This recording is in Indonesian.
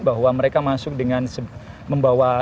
bahwa mereka masuk dengan membawa